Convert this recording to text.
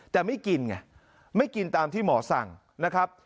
แต่ไม่กินไงไม่กินตามที่หมอสั่งนะครับ